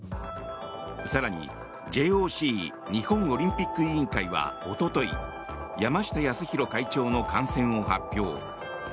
更にＪＯＣ・日本オリンピック委員会はおととい山下泰裕会長の感染を発表。